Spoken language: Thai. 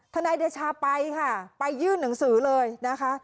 นายเดชาไปค่ะไปยื่นหนังสือเลยนะคะ